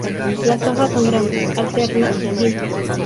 Las hojas son grandes, alternas y simples.